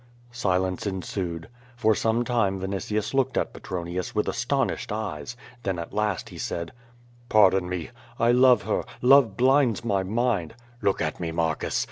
Silence ensued. For some time Vinitius looked at Pe tronius with astonished eyes; then at last he said: "Pardon me; I love her — ^love blinds my mind." "Look at me, Marcus.